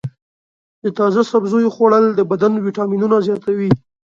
د تازه سبزیو خوړل د بدن ویټامینونه زیاتوي.